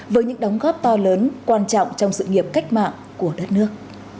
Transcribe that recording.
với những đóng góp to lớn quan trọng trong sự nghiệp cách mạng của đất nước